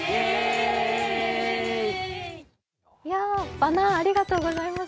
バナーありがとうございます。